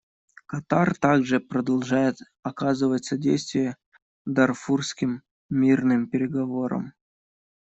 Катар также продолжает оказывать содействие дарфурским мирным переговорам.